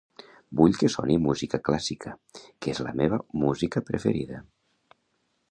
Vull que soni música clàssica, que és la meva música preferida.